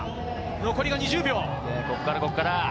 残りが２０秒。